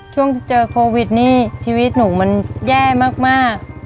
ช่วงเจอโควิดนี่ชีวิตหนูมันแย่มาก